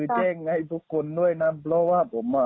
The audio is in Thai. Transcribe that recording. แจ้งให้ทุกคนด้วยนะเพราะว่าผมอ่ะ